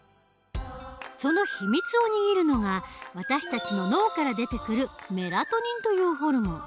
そのひみつを握るのが私たちの脳から出てくるメラトニンというホルモン。